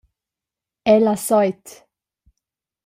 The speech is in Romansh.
El ha seit.